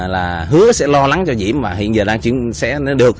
là hứa sẽ lo lắng cho diễm và hiện giờ đang chuyển xé nó được